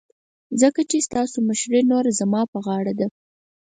ځکه چې ستاسو مشرې نوره زما په غاړه ده.